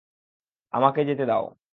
আমাকে যেতে দাও।